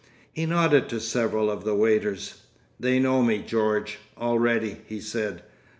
He nodded to several of the waiters. "They know me, George, already," he said.